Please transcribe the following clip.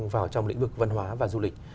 vào trong lĩnh vực văn hóa và du lịch